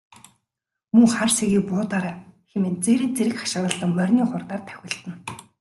Муу хар сэгийг буудаарай хэмээн зэрэг зэрэг хашхиралдан морины хурдаар давхилдана.